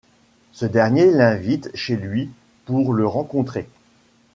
Ce dernier l'invite chez lui pour le rencontrer.